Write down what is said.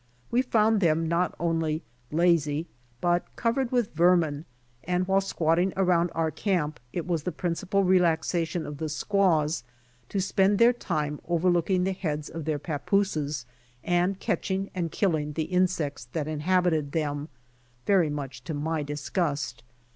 We found them not only lazy but covered with vermin and while squatting around our camp it was the principal relaxation of the squaws to spend their time overlooking the heads of their papooses and catching and killing the insects that inhabited them', very much to my disgust.